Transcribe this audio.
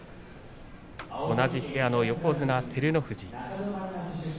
同じ部屋の横綱照ノ富士。